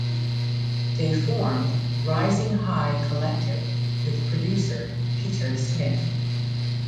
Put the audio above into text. They formed Rising High Collective with producer Peter Smith.